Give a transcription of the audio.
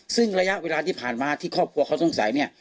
ซึ่งระยะเวลาที่ผ่านมาที่ครอบครัวเขาสงสัยเนี่ย